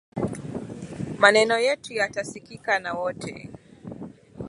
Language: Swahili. Maneno yetu yatasikika na wote